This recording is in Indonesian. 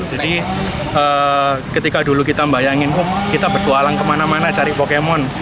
jadi ketika dulu kita bayangin kita berkualang kemana mana cari pokemon